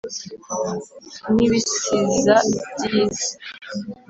n'ibisiza by'iyi si